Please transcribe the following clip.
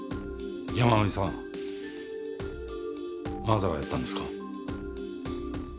山上さんあなたがやったんですか？